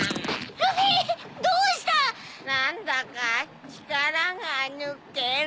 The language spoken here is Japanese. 何だか力が抜ける。